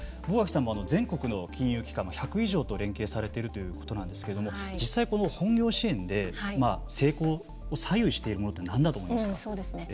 坊垣さんも全国の金融機関１００以上と連携されているそうですけれども実際本業支援で成功を左右しているものは何だと思いますか。